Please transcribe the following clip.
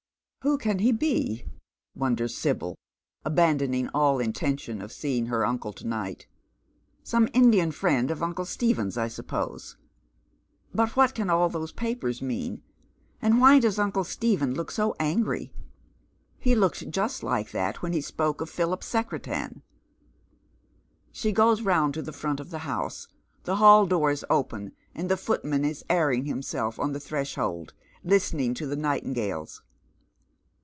" Who can be be ?" wonders Sibyl, abandoning all intention of seeing her uncle to night. " Some Indian friend of uncle Stephen's, I suppose. But what can all those papers mean, and why does uncle Stephen look so angry ? He looked just like that when he spoke of Philip Secretan." She goes roimd to the front of the house. The hall door is open, and the footman is airing himself on the threshold, listen^ ing to the nightingales.